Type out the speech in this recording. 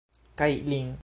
Kaj lin.